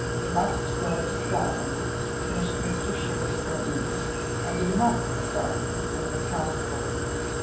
"We must go to Scotland," finished Mr. Sherwood firmly. "And we must start as soon as possible."